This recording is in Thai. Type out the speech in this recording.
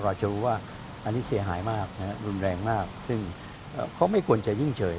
อาจจะรู้ว่าอันนี้เสียหายมากรุนแรงมากซึ่งเขาไม่ควรจะนิ่งเฉย